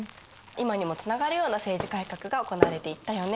今にもつながるような政治改革が行われていったよね。